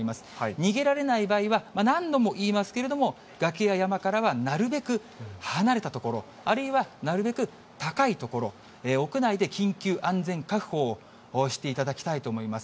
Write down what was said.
逃げられない場合は何度も言いますけれども、崖や山からはなるべく離れた所、あるいはなるべく高い所、屋内で緊急安全確保をしていただきたいと思います。